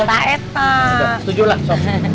setuju lah sob